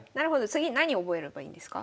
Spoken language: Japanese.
次何覚えればいいんですか？